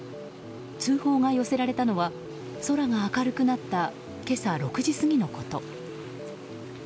通報が寄せられたのは空が明るくなった今朝６時過ぎのこと。